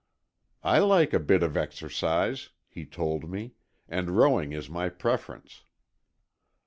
"I like a bit of exercise," he told me, "and rowing is my preference."